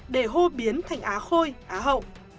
để hô biến thành á khôi á hậu